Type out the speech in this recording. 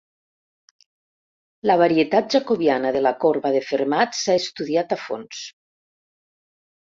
La varietat jacobiana de la corba de Fermat s'ha estudiat a fons.